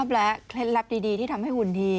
และเคล็ดลับดีที่ทำให้หุ่นดี